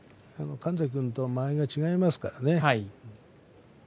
神崎君と間合いが違いますから。